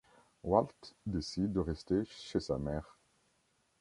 Walt décide de rester chez sa mère.